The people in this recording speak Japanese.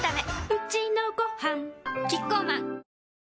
うちのごはんキッコーマン